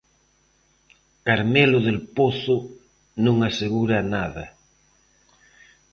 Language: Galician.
Carmelo Del Pozo non asegura nada.